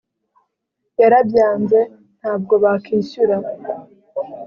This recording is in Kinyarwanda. yarabyanze ntabwo bakishyura.